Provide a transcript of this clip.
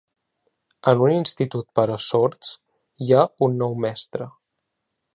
En un Institut per a sords hi ha un nou mestre.